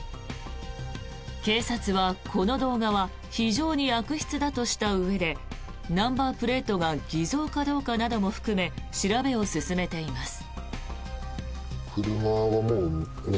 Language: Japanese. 警察は、この動画は非常に悪質だとしたうえでナンバープレートが偽造かどうかなども含め調べを進めています。